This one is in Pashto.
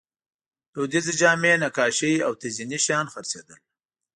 دودیزې جامې، نقاشۍ او تزییني شیان خرڅېدل.